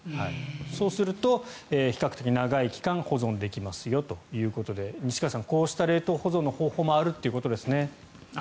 そうすると比較的長い期間保存できますよということで西川さんこうした冷凍保存の方法もあるということですね。